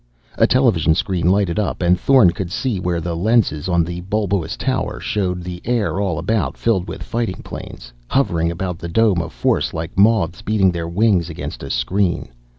A television screen lighted up and Thorn could see where the lenses on the bulbous tower showed the air all about filled with fighting planes, hovering about the dome of force like moths beating their wings against a screen.